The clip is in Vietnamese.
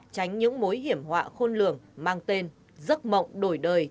tránh những mối hiểm họa khôn lường mang tên giấc mộng đổi đời